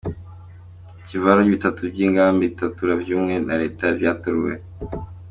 Ivyicaro bitatu vy’imigambwe itavuga rumwe na reta vyaraturiwe.